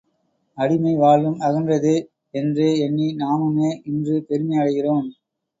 அடிமை வாழ்வும் அகன்றதே! என்றே எண்ணி நாமுமே இன்று பெருமை அடைகிறோம்.